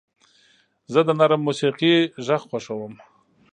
زه د نرم موسیقۍ غږ خوښوم.